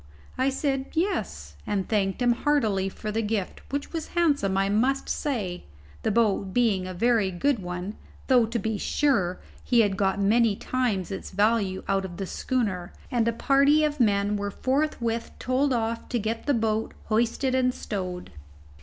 I said yes, and thanked him heartily for the gift, which was handsome, I must say, the boat being a very good one, though, to be sure, he had got many times its value out of the schooner; and a party of men were forthwith told off to get the boat hoisted and stowed.